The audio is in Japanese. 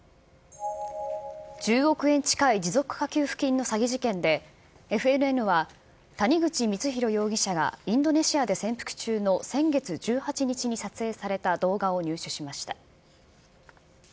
１０億円近い持続化給付金の詐欺事件で、ＦＮＮは谷口光弘容疑者が、インドネシアで潜伏中の先月１８日に撮影された動画を入手しました。